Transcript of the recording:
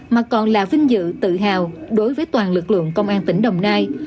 mà còn là vinh dự tự hào đối với toàn lực lượng công an tỉnh đồng nai